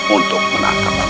untuk menangkap anak kita